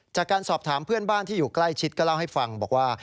จากการสอบถามเพื่อนบ้านที่อยู่ใกล้ชิดก็เล่าให้ฟังบอกว่า